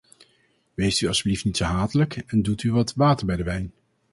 Weest u alstublieft niet zo hatelijk en doet u wat water bij de wijn.